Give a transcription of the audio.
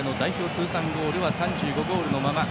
通算ゴールは３５ゴールのまま。